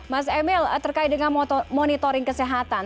mas emil terkait dengan monitoring kesehatan